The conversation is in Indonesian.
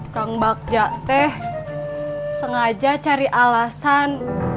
kang bagja teh sengaja cari alasan